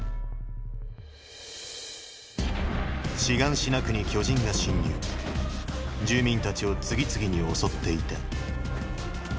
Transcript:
シガンシナ区に巨人が侵入住民たちを次々に襲っていた。